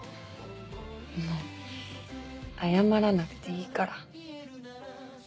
もう謝らなくていいから。